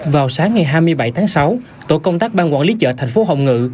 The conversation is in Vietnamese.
vào sáng ngày hai mươi bảy tháng sáu tổ công tác ban quản lý chợ thành phố hồng ngự